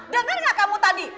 dengar gak kamu tadi